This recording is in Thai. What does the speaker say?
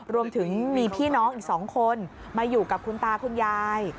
รวมถึงมีพี่น้องอีก๒คนมาอยู่กับคุณตาคุณยาย